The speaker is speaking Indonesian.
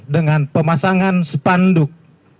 dengan pemasangan sepanduk